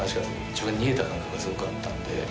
自分が逃げた感覚がすごくあったんで。